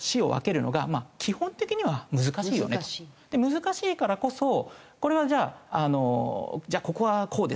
難しいからこそこれはじゃあじゃあここは「公」です